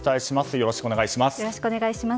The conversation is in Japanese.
よろしくお願いします。